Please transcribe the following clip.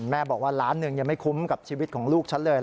แม่บอกว่า๑๐๐๐๐๐๐บาทยังไม่คุ้มกับชีวิตของลูกฉันเลย